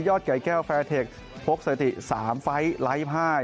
ยอดไก่แก้วแฟร์เทคพกสะอาทิสามไฟท์ไลฟ์ภาย